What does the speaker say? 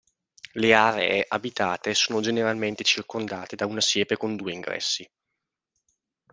Le aree abitate sono generalmente circondate da una siepe con due ingressi.